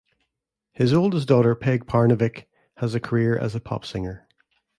His oldest daughter Peg Parnevik has a career as a pop singer.